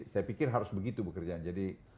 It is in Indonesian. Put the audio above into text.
saya pikir harus begitu bekerja jadi